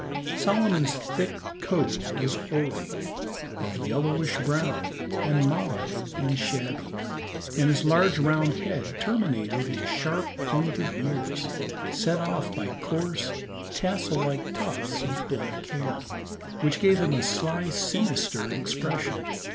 Solomon's thick coat was hoary, of a yellowish brown, and mottled and shabby, and his large round head terminated in sharp, pointed ears, set off by coarse, tassel like tufts of black hair, which gave him a sly, sinister expression.